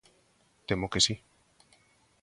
Temo que si.